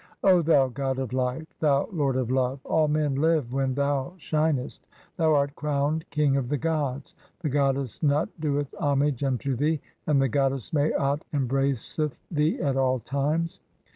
O thou god of life, "thou lord of love, all men live when thou shinest ; thou art "crowned king of the gods. The goddess Nut doeth homage unto "thee, and the goddess Maat embraceth thee at all times.